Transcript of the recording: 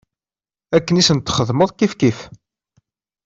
Akken i sent-txedmeḍ kifkif.